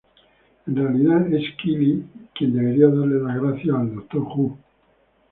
En realidad, es Kylie quien debería darle las gracias a "Doctor Who".